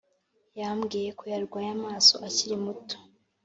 Yambwiye ko yarwaye amaso akiri muto